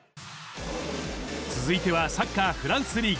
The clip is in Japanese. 続いてはサッカーフランスリーグ。